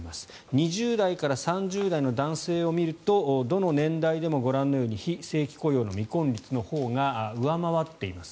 ２０代から３０代の男性を見るとどの年代でも、ご覧のように非正規雇用の未婚率のほうが上回っています。